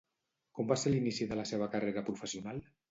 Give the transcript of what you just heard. Com va ser l'inici de la seva carrera professional?